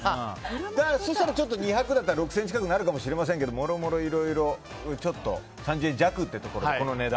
そうしたら２００だったら６０００円近くなるかもしれませんけどもろもろ、いろいろ３０００円弱ということでこの値段。